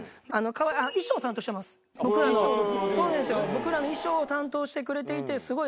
僕らの衣装を担当してくれていてすごい。